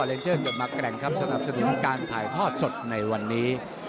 โดยมักแกร่งครับสำหรับสถิติการถ่ายทอดสดในวันนี้